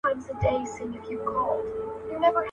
ځکه په پنجاب کي و «كوي ناروغي» ته هم ما تا ويـل كېږي